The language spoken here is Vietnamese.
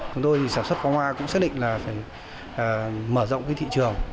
chúng tôi sản xuất pháo hoa cũng xác định là phải mở rộng thị trường